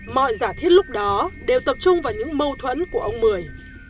mọi giả thiết lúc đó đều tập trung vào những mâu thuẫn của ông mười